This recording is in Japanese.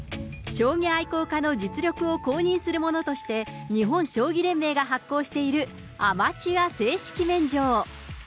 将棋愛好家の実力を公認するものとして、日本将棋連盟が発行しているアマチュア正式免状。